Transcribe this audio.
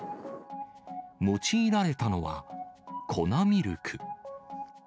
用いられたのは、粉ミルク。